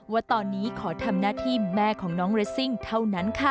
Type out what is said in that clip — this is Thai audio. ว่าตอนนี้ขอทำหน้าที่แม่ของน้องเรสซิ่งเท่านั้นค่ะ